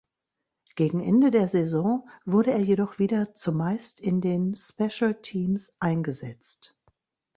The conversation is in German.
Gegen Ende der Saison wurde er jedoch wieder zumeist in den Special Teams eingesetzt.